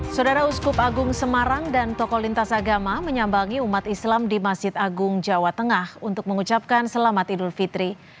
saudara uskup agung semarang dan tokoh lintas agama menyambangi umat islam di masjid agung jawa tengah untuk mengucapkan selamat idul fitri